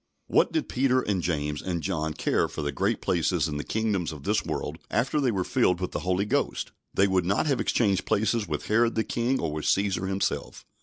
What did Peter and James and John care for the great places in the kingdoms of this world after they were filled with the Holy Ghost? They would not have exchanged places with Herod the king or with Caesar himself.